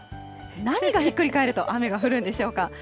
何がひっくり返ると雨が降るんでしょうか。